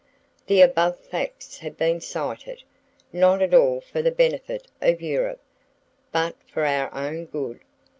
The above facts have been cited, not at all for the benefit of Europe, but for our own good.